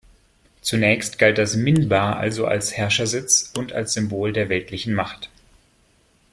Zunächst galt das "Minbar" also als Herrschersitz und als Symbol der weltlichen Macht.